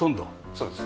そうです。